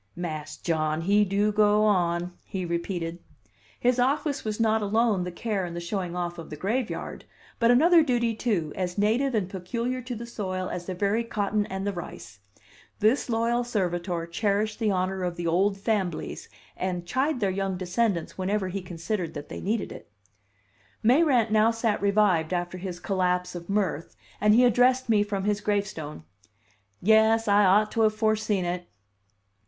"Mas' John he do go on," he repeated. His office was not alone the care and the showing off of the graveyard, but another duty, too, as native and peculiar to the soil as the very cotton and the rice: this loyal servitor cherished the honor of the "old famblies," and chide their young descendants whenever he considered that they needed it. Mayrant now sat revived after his collapse of mirth, and he addressed me from his gravestone. "Yes, I ought to have foreseen it."